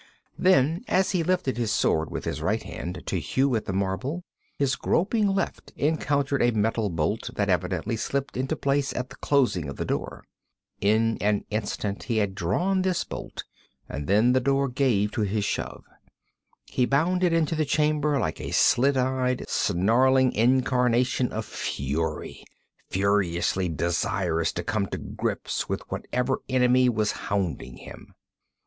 Then as he lifted his sword with his right hand to hew at the marble, his groping left encountered a metal bolt that evidently slipped into place at the closing of the door. In an instant he had drawn this bolt, and then the door gave to his shove. He bounded into the chamber like a slit eyed, snarling incarnation of fury, ferociously desirous to come to grips with whatever enemy was hounding him.